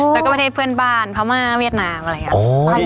แล้วก็ประเทศเพื่อนบ้านพม่าเวียดนามอะไรอย่างนี้